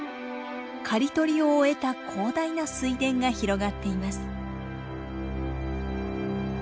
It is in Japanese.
刈り取りを終えた広大な水田が広がっています。